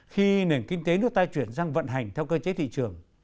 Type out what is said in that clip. khi nền kinh tế nước ta chuyển sang vận hành theo cơ chế thị trường